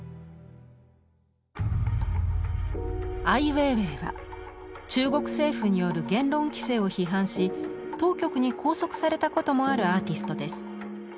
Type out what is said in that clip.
アイウェイウェイは中国政府による言論規制を批判し当局に拘束されたこともあるアーティストです。